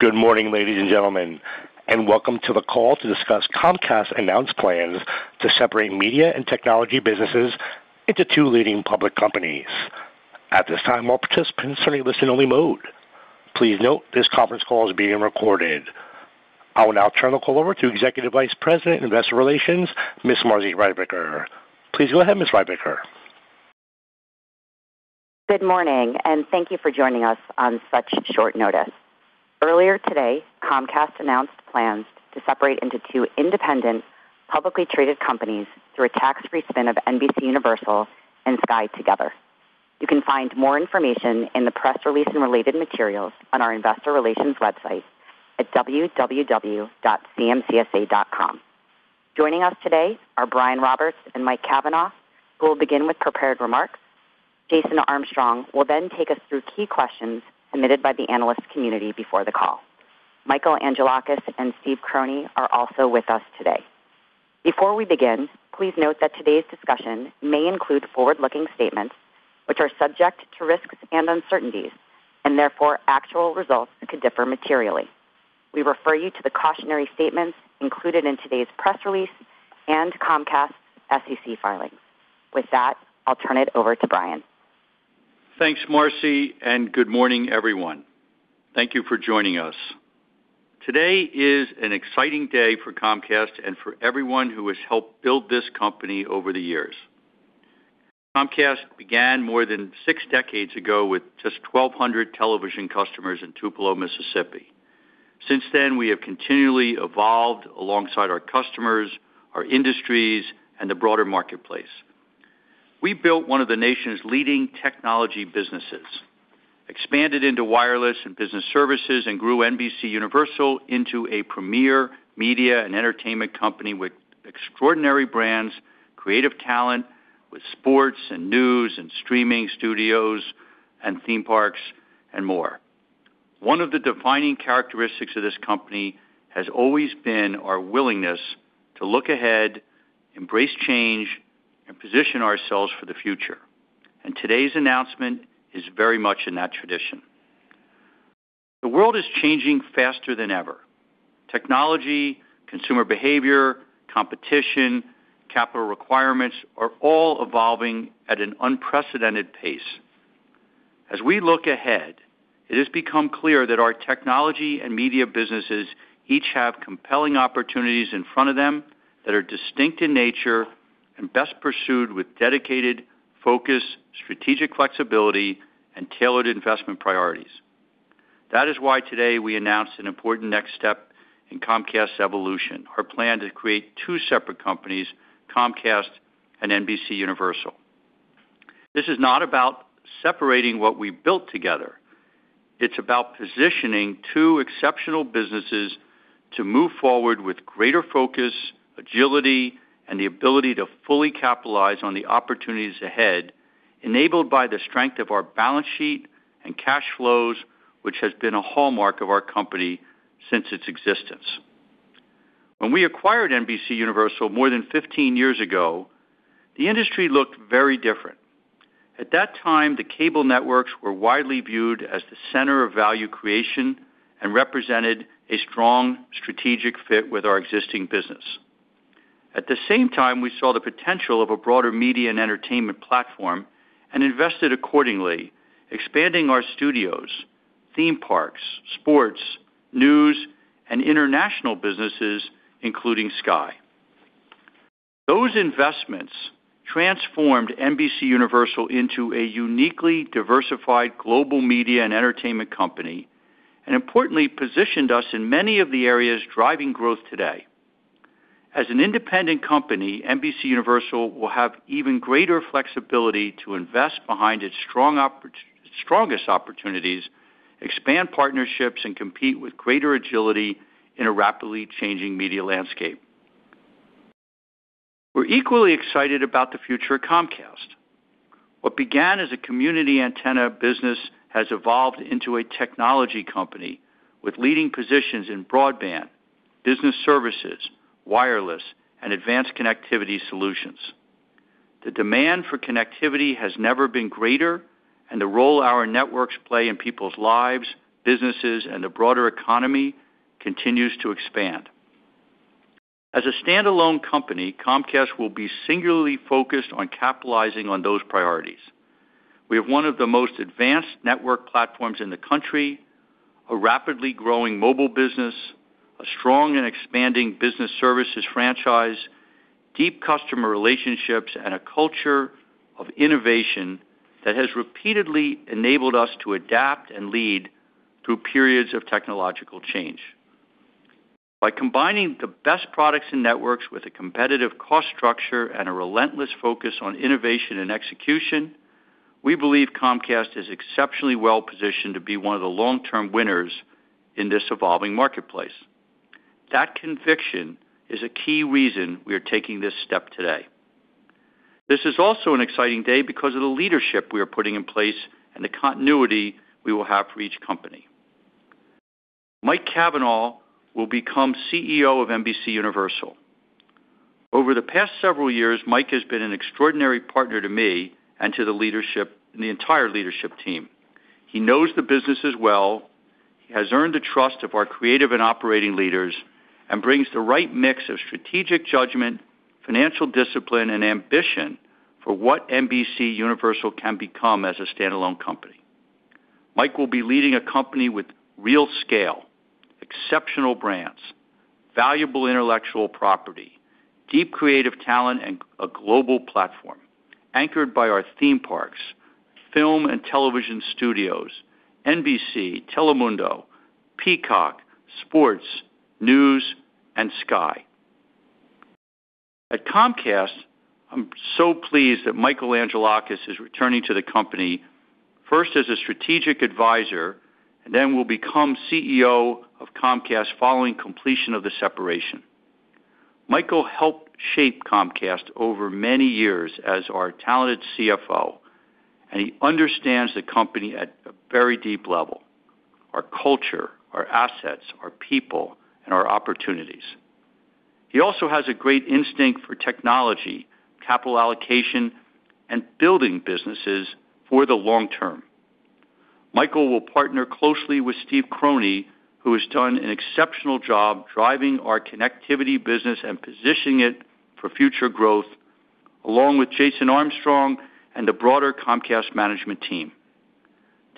Good morning, ladies and gentlemen, welcome to the call to discuss Comcast's announced plans to separate media and technology businesses into two leading public companies. At this time, all participants are in listen only mode. Please note this conference call is being recorded. I will now turn the call over to Executive Vice President, Investor Relations, Ms. Marci Ryvicker. Please go ahead, Ms. Ryvicker. Good morning, thank you for joining us on such short notice. Earlier today, Comcast announced plans to separate into two independent, publicly traded companies through a tax-free spin of NBCUniversal and Sky together. You can find more information in the press release and related materials on our investor relations website at www.cmcsa.com. Joining us today are Brian Roberts and Mike Cavanagh, who will begin with prepared remarks. Jason Armstrong will then take us through key questions submitted by the analyst community before the call. Michael Angelakis and Steve Croney are also with us today. Before we begin, please note that today's discussion may include forward-looking statements, which are subject to risks and uncertainties, therefore, actual results could differ materially. We refer you to the cautionary statements included in today's press release and Comcast SEC filings. With that, I'll turn it over to Brian. Thanks, Marci, good morning, everyone. Thank you for joining us. Today is an exciting day for Comcast and for everyone who has helped build this company over the years. Comcast began more than six decades ago with just 1,200 television customers in Tupelo, Mississippi. Since then, we have continually evolved alongside our customers, our industries, and the broader marketplace. We built one of the nation's leading technology businesses, expanded into wireless and business services, and grew NBCUniversal into a premier media and entertainment company with extraordinary brands, creative talent with sports and news and streaming studios and theme parks and more. One of the defining characteristics of this company has always been our willingness to look ahead, embrace change, and position ourselves for the future. Today's announcement is very much in that tradition. The world is changing faster than ever. Technology, consumer behavior, competition, capital requirements are all evolving at an unprecedented pace. As we look ahead, it has become clear that our technology and media businesses each have compelling opportunities in front of them that are distinct in nature and best pursued with dedicated focus, strategic flexibility, and tailored investment priorities. That is why today we announced an important next step in Comcast's evolution, our plan to create two separate companies, Comcast and NBCUniversal. This is not about separating what we built together. It's about positioning two exceptional businesses to move forward with greater focus, agility, and the ability to fully capitalize on the opportunities ahead, enabled by the strength of our balance sheet and cash flows, which has been a hallmark of our company since its existence. When we acquired NBCUniversal more than 15 years ago, the industry looked very different. At that time, the cable networks were widely viewed as the center of value creation and represented a strong strategic fit with our existing business. At the same time, we saw the potential of a broader media and entertainment platform and invested accordingly, expanding our studios, theme parks, sports, news, and international businesses, including Sky. Those investments transformed NBCUniversal into a uniquely diversified global media and entertainment company, and importantly positioned us in many of the areas driving growth today. As an independent company, NBCUniversal will have even greater flexibility to invest behind its strongest opportunities, expand partnerships, and compete with greater agility in a rapidly changing media landscape. We're equally excited about the future of Comcast. What began as a community antenna business has evolved into a technology company with leading positions in broadband, business services, wireless, and advanced connectivity solutions. The demand for connectivity has never been greater, and the role our networks play in people's lives, businesses, and the broader economy continues to expand. As a standalone company, Comcast will be singularly focused on capitalizing on those priorities. We have one of the most advanced network platforms in the country, a rapidly growing mobile business, a strong and expanding business services franchise, deep customer relationships, and a culture of innovation that has repeatedly enabled us to adapt and lead through periods of technological change. By combining the best products and networks with a competitive cost structure and a relentless focus on innovation and execution, we believe Comcast is exceptionally well-positioned to be one of the long-term winners in this evolving marketplace. That conviction is a key reason we are taking this step today. This is also an exciting day because of the leadership we are putting in place and the continuity we will have for each company. Mike Cavanagh will become CEO of NBCUniversal. Over the past several years, Mike has been an extraordinary partner to me and to the entire leadership team. He knows the businesses well, he has earned the trust of our creative and operating leaders, and brings the right mix of strategic judgment, financial discipline, and ambition for what NBCUniversal can become as a standalone company. Mike will be leading a company with real scale, exceptional brands, valuable intellectual property, deep creative talent, and a global platform anchored by our theme parks, film and television studios, NBC, Telemundo, Peacock, sports, news, and Sky. At Comcast, I'm so pleased that Michael Angelakis is returning to the company, first as a strategic advisor, and then will become CEO of Comcast following completion of the separation. Michael helped shape Comcast over many years as our talented CFO, and he understands the company at a very deep level, our culture, our assets, our people, and our opportunities. He also has a great instinct for technology, capital allocation, and building businesses for the long term. Michael will partner closely with Steve Croney, who has done an exceptional job driving our connectivity business and positioning it for future growth, along with Jason Armstrong and the broader Comcast management team.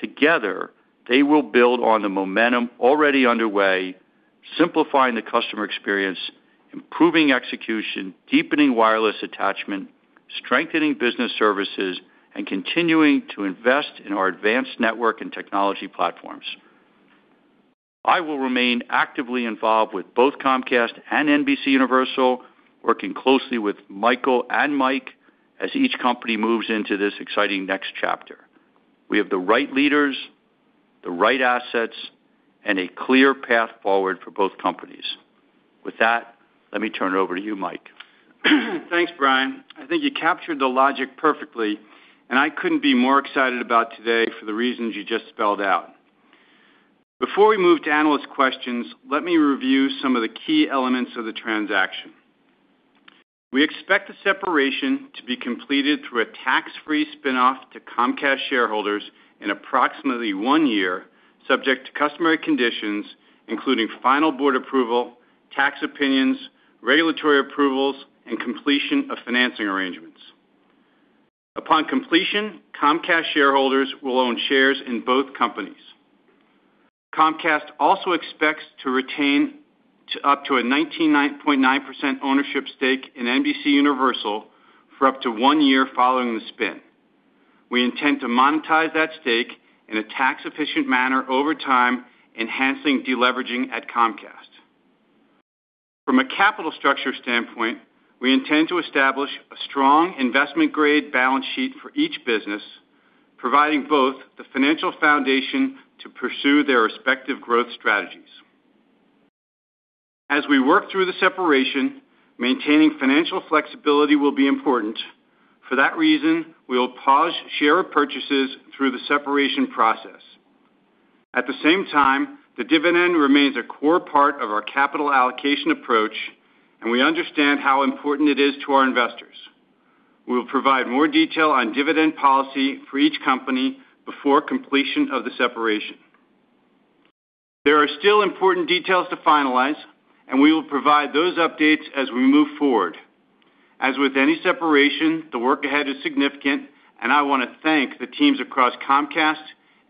Together, they will build on the momentum already underway, simplifying the customer experience, improving execution, deepening wireless attachment, strengthening business services, and continuing to invest in our advanced network and technology platforms. I will remain actively involved with both Comcast and NBCUniversal, working closely with Michael and Mike as each company moves into this exciting next chapter. We have the right leaders, the right assets, and a clear path forward for both companies. With that, let me turn it over to you, Mike. Thanks, Brian. I think you captured the logic perfectly. I couldn't be more excited about today for the reasons you just spelled out. Before we move to analyst questions, let me review some of the key elements of the transaction. We expect the separation to be completed through a tax-free spinoff to Comcast shareholders in approximately one year, subject to customary conditions including final board approval, tax opinions, regulatory approvals, and completion of financing arrangements. Upon completion, Comcast shareholders will own shares in both companies. Comcast also expects to retain up to a 19.9% ownership stake in NBCUniversal for up to one year following the spin. We intend to monetize that stake in a tax-efficient manner over time, enhancing deleveraging at Comcast. From a capital structure standpoint, we intend to establish a strong investment-grade balance sheet for each business, providing both the financial foundation to pursue their respective growth strategies. As we work through the separation, maintaining financial flexibility will be important. For that reason, we will pause share purchases through the separation process. At the same time, the dividend remains a core part of our capital allocation approach. We understand how important it is to our investors. We will provide more detail on dividend policy for each company before completion of the separation. There are still important details to finalize. We will provide those updates as we move forward. As with any separation, the work ahead is significant. I want to thank the teams across Comcast,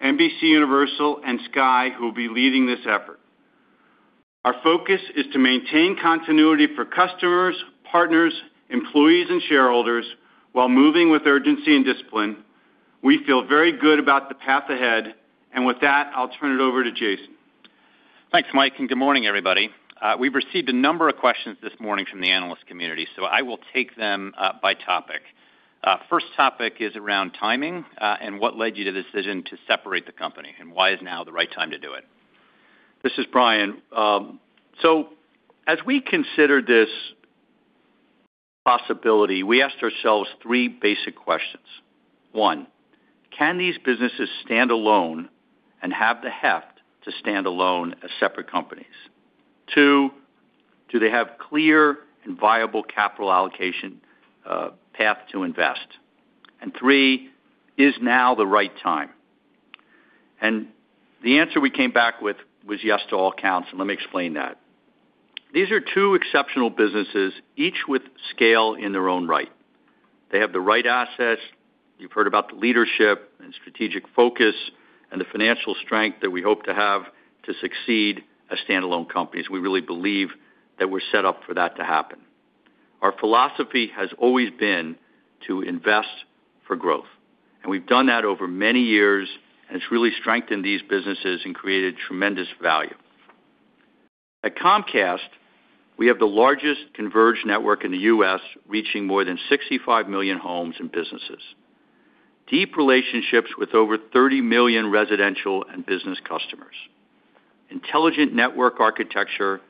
NBCUniversal, and Sky who will be leading this effort. Our focus is to maintain continuity for customers, partners, employees, and shareholders while moving with urgency and discipline. We feel very good about the path ahead. With that, I'll turn it over to Jason. Thanks, Mike, good morning, everybody. We've received a number of questions this morning from the analyst community, so I will take them by topic. First topic is around timing, what led you to the decision to separate the company, why is now the right time to do it? This is Brian. As we consider this possibility, we asked ourselves three basic questions. One, can these businesses stand alone and have the heft to stand alone as separate companies? Two, do they have a clear and viable capital allocation path to invest? Three, is now the right time? The answer we came back with was yes to all counts, let me explain that. These are two exceptional businesses, each with scale in their own right. They have the right assets. You've heard about the leadership and strategic focus and the financial strength that we hope to have to succeed as standalone companies. We really believe that we're set up for that to happen. Our philosophy has always been to invest for growth, and we've done that over many years, it's really strengthened these businesses and created tremendous value. At Comcast, we have the largest converged network in the U.S., reaching more than 65 million homes and businesses. Deep relationships with over 30 million residential and business customers. Intelligent network architecture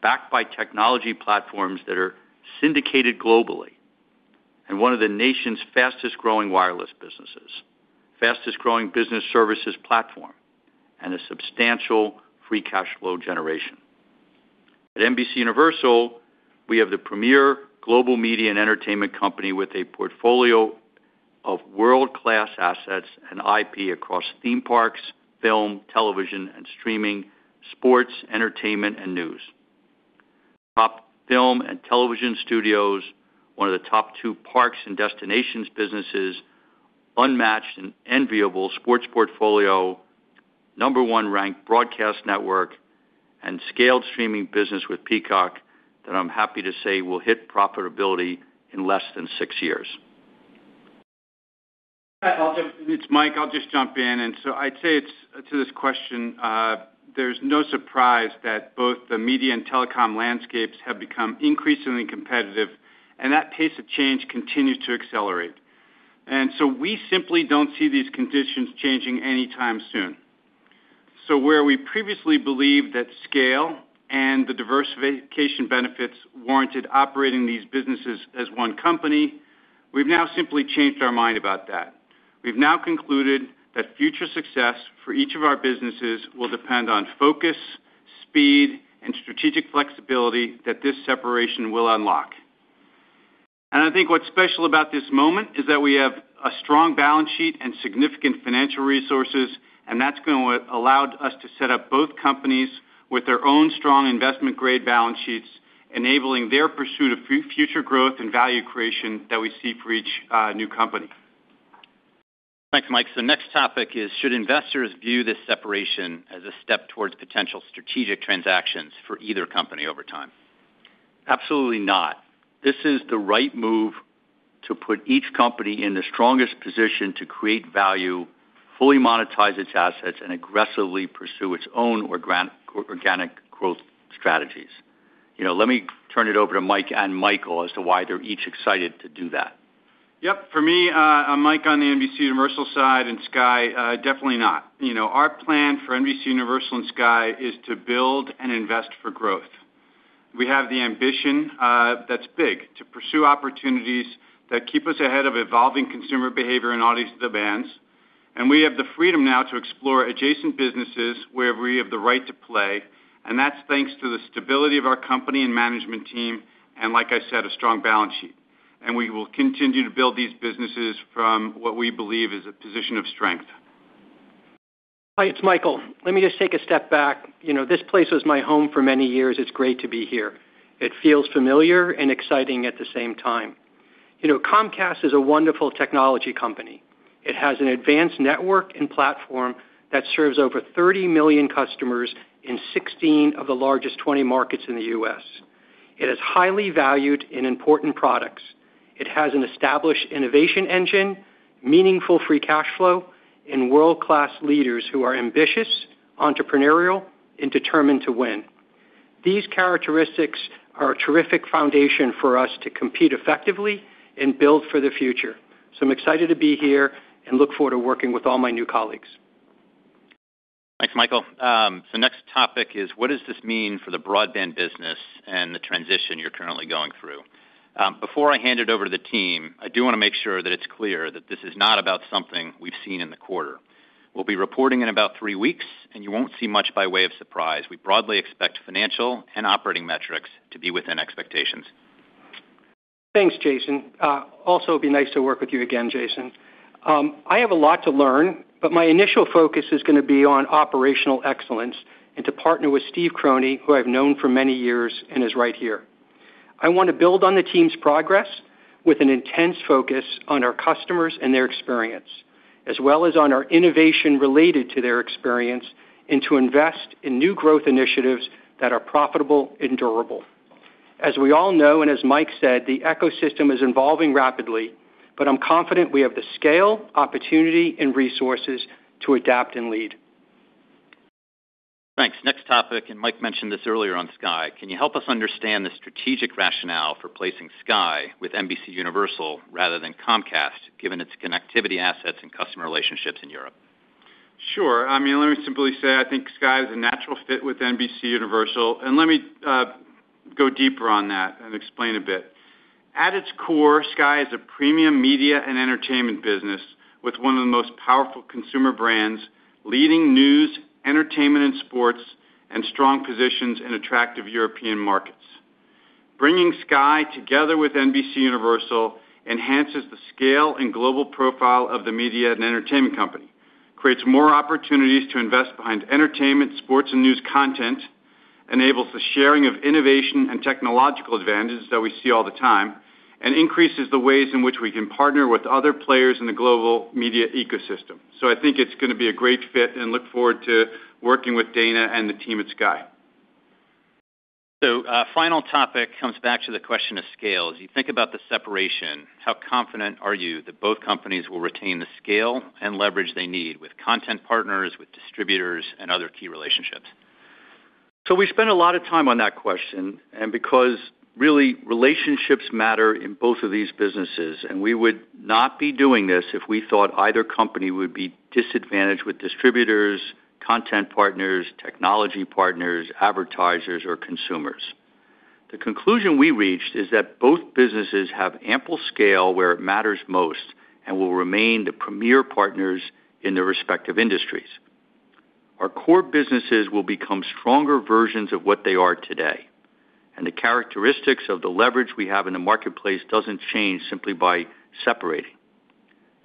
backed by technology platforms that are syndicated globally. One of the nation's fastest-growing wireless businesses, fastest-growing business services platform, and a substantial free cash flow generation. At NBCUniversal, we have the premier global media and entertainment company with a portfolio of world-class assets and IP across theme parks, film, television, and streaming, sports, entertainment, and news. Top film and television studios, one of the top two parks and destinations businesses, unmatched and enviable sports portfolio, number one ranked broadcast network, and scaled streaming business with Peacock that I'm happy to say will hit profitability in less than six years. It's Mike, I'll just jump in. I'd say to this question, there's no surprise that both the media and telecom landscapes have become increasingly competitive, that pace of change continues to accelerate. We simply don't see these conditions changing anytime soon. Where we previously believed that scale and the diversification benefits warranted operating these businesses as one company, we've now simply changed our mind about that. We've now concluded that future success for each of our businesses will depend on focus, speed, and strategic flexibility that this separation will unlock. I think what's special about this moment is that we have a strong balance sheet and significant financial resources, and that's going to allow us to set up both companies with their own strong investment-grade balance sheets, enabling their pursuit of future growth and value creation that we see for each new company. Thanks, Mike. The next topic is: Should investors view this separation as a step towards potential strategic transactions for either company over time? Absolutely not. This is the right move to put each company in the strongest position to create value, fully monetize its assets, and aggressively pursue its own organic growth strategies. Let me turn it over to Mike and Michael as to why they're each excited to do that. For me, Mike on the NBCUniversal side and Sky, definitely not. Our plan for NBCUniversal and Sky is to build and invest for growth. We have the ambition that's big to pursue opportunities that keep us ahead of evolving consumer behavior and audience demands. We have the freedom now to explore adjacent businesses where we have the right to play, and that's thanks to the stability of our company and management team, and like I said, a strong balance sheet. We will continue to build these businesses from what we believe is a position of strength. Hi, it's Michael. Let me just take a step back. This place was my home for many years. It's great to be here. It feels familiar and exciting at the same time. Comcast is a wonderful technology company. It has an advanced network and platform that serves over 30 million customers in 16 of the largest 20 markets in the U.S. It is highly valued in important products. It has an established innovation engine, meaningful free cash flow, and world-class leaders who are ambitious, entrepreneurial, and determined to win. These characteristics are a terrific foundation for us to compete effectively and build for the future. I'm excited to be here and look forward to working with all my new colleagues. Thanks, Michael. The next topic is: What does this mean for the broadband business and the transition you're currently going through? Before I hand it over to the team, I do want to make sure that it's clear that this is not about something we've seen in the quarter. We'll be reporting in about three weeks, and you won't see much by way of surprise. We broadly expect financial and operating metrics to be within expectations. Thanks, Jason. It'll be nice to work with you again, Jason. I have a lot to learn, but my initial focus is going to be on operational excellence and to partner with Steve Croney, who I've known for many years and is right here. I want to build on the team's progress with an intense focus on our customers and their experience, as well as on our innovation related to their experience, and to invest in new growth initiatives that are profitable and durable. As we all know, and as Mike said, the ecosystem is evolving rapidly. I'm confident we have the scale, opportunity, and resources to adapt and lead. Thanks. Next topic. Mike mentioned this earlier on Sky. Can you help us understand the strategic rationale for placing Sky with NBCUniversal rather than Comcast, given its connectivity assets and customer relationships in Europe? Sure. Let me simply say, I think Sky is a natural fit with NBCUniversal. Let me go deeper on that and explain a bit. At its core, Sky is a premium media and entertainment business with one of the most powerful consumer brands, leading news, entertainment, and sports, and strong positions in attractive European markets. Bringing Sky together with NBCUniversal enhances the scale and global profile of the media and entertainment company, creates more opportunities to invest behind entertainment, sports, and news content, enables the sharing of innovation and technological advantages that we see all the time, and increases the ways in which we can partner with other players in the global media ecosystem. I think it's going to be a great fit and look forward to working with Dana and the team at Sky. final topic comes back to the question of scale. As you think about the separation, how confident are you that both companies will retain the scale and leverage they need with content partners, with distributors, and other key relationships? We spent a lot of time on that question, because really relationships matter in both of these businesses, and we would not be doing this if we thought either company would be disadvantaged with distributors, content partners, technology partners, advertisers, or consumers. The conclusion we reached is that both businesses have ample scale where it matters most and will remain the premier partners in their respective industries. Our core businesses will become stronger versions of what they are today, and the characteristics of the leverage we have in the marketplace doesn't change simply by separating.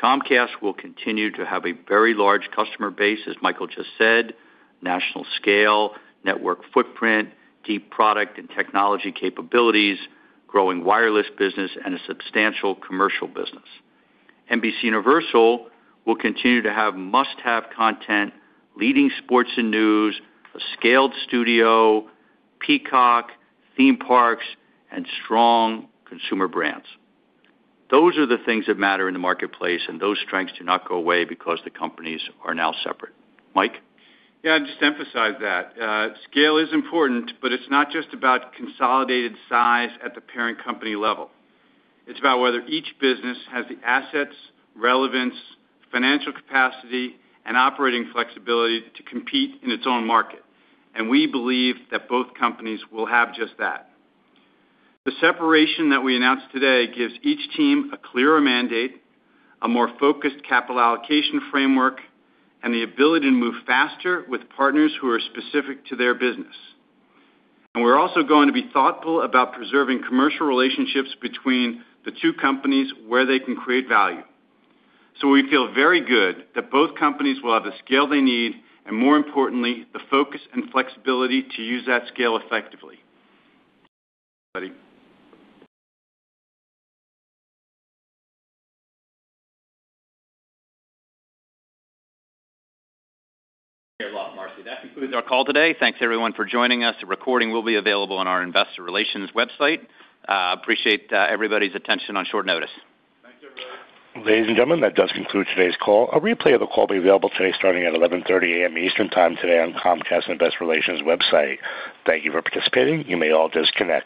Comcast will continue to have a very large customer base, as Michael just said, national scale, network footprint, deep product and technology capabilities, growing wireless business, and a substantial commercial business. NBCUniversal will continue to have must-have content, leading sports and news, a scaled studio, Peacock, theme parks, and strong consumer brands. Those are the things that matter in the marketplace, those strengths do not go away because the companies are now separate. Mike? I'd just emphasize that. Scale is important, it's not just about consolidated size at the parent company level. It's about whether each business has the assets, relevance, financial capacity, and operating flexibility to compete in its own market. We believe that both companies will have just that. The separation that we announced today gives each team a clearer mandate, a more focused capital allocation framework, and the ability to move faster with partners who are specific to their business. We're also going to be thoughtful about preserving commercial relationships between the two companies where they can create value. We feel very good that both companies will have the scale they need and, more importantly, the focus and flexibility to use that scale effectively. Buddy. Very well Marci. That concludes our call today. Thanks, everyone, for joining us. A recording will be available on our investor relations website. Appreciate everybody's attention on short notice. Thank you, everybody. Ladies and gentlemen, that does conclude today's call. A replay of the call will be available today starting at 11:30 A.M. Eastern time today on Comcast's Investor Relations website. Thank you for participating. You may all disconnect.